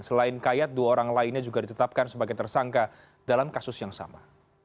selain kayat dua orang lainnya juga ditetapkan sebagai tersangka dalam kasus yang sama